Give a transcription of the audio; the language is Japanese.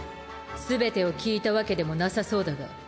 全てを聞いたわけでもなさそうだが。